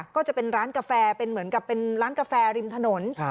ก็จะเป็นร้านกาแฟเป็นเหมือนกับเป็นร้านกาแฟริมถนน